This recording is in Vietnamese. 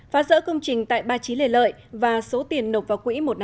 phá rỡ công trình tại ba chí lề lợi và số tiền nộp vào quỹ một trăm năm mươi sáu